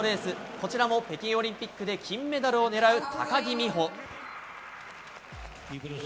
こちらも北京オリンピックで金メダルを狙う高木美帆。